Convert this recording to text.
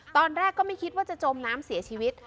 ตอนแรกก็ไม่คิดว่าจะจมน้ำเสียชีวิต